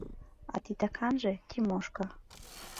А титаканже — Тимошка.